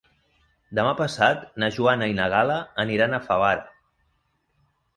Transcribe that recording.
Demà passat na Joana i na Gal·la aniran a Favara.